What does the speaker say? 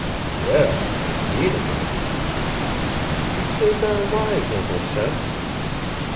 "Yes, and mean enough." "He saved our lives, Uncle Seth."